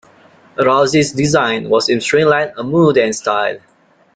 Rowse's design was in Streamline Moderne style.